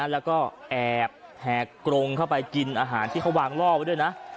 แล้วก็แอบแหกกรงเข้าไปกินอาหารที่เขาวางล่อไว้ด้วยนะ